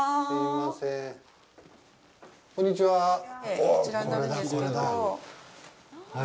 こんにちは。